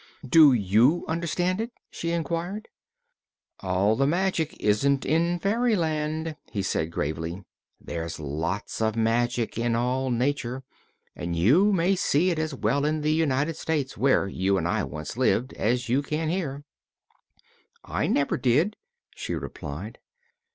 "Do you understand it?" she inquired. "All the magic isn't in fairyland," he said gravely. "There's lots of magic in all Nature, and you may see it as well in the United States, where you and I once lived, as you can here." "I never did," she replied.